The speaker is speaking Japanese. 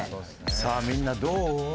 「さあみんなどう？